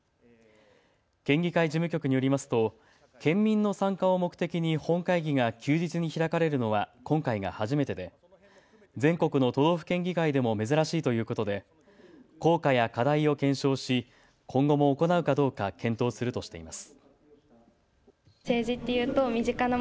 県議会事務局によりますと県民の参加を目的に本会議が休日に開かれるのは今回が初めてで全国の都道府県議会でも珍しいということで効果や課題を検証し今後も行うかどうか検討するとしています。